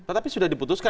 tetapi sudah diputuskan